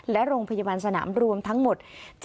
และโรงพยาบาลสนามรวมทั้งหมด